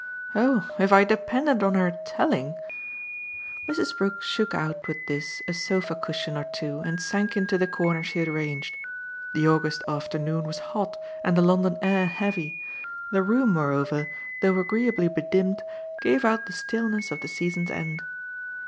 "Oh if I depended on her telling !" Mrs. Brook shook out with this a sofa cushion or two and sank into the corner she had arranged. The August afternoon was hot and the London air heavy; the room moreover, though agreeably bedimmed, gave out the staleness of the season's end.